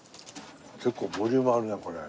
結構ボリュームあるねこれ。